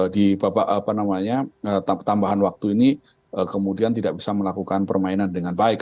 di babak tambahan waktu ini kemudian tidak bisa melakukan permainan dengan baik